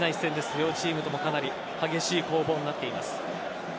両チームとも、かなり激しい攻防になっています。